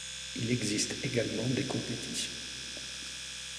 Il existe également des compétitions.